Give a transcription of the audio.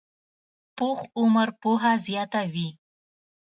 پوخ عمر پوهه زیاته وي